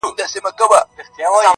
پسرلی وایې جهاني دي پرې باران سي,